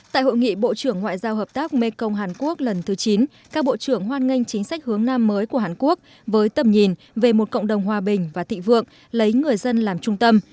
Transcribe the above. tại hội nghị bộ trưởng ngoại giao hợp tác mê công hàn quốc lần thứ chín các bộ trưởng hoan nghênh chính sách hướng nam mới của hàn quốc với tầm nhìn về một cộng đồng hòa bình và thị vượng lấy người dân làm trung tâm